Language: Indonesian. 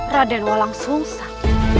raden walang sungsat